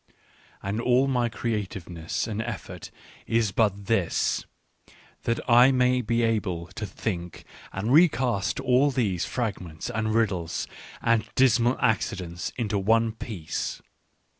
" And all my creativenes s and effort is but this, that I may be able to think and recast all these fragments and riddles and dismal accidents into one piece.